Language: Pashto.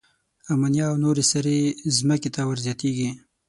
آمونیا او نورې سرې ځمکې ته ور زیاتیږي.